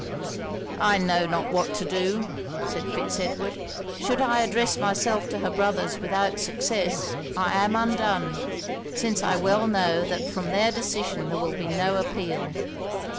'I know not what to do,' said Fitz Edward. 'Should I address myself to her brothers without success, I am undone; since I well know that from their decision there will be no appeal.